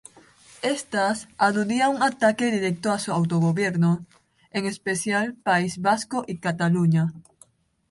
Estas aludían un ataque directo a su autogobierno, en especial País Vasco y Cataluña.